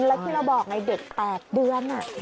แล้วที่เราบอกไงเด็ก๘เดือน